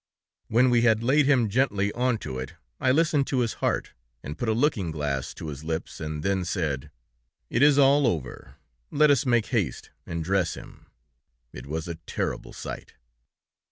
When we had laid him gently onto it, I listened to his heart, and put a looking glass to his lips, and then said: 'It is all over; let us make haste and dress him.' It was a terrible sight!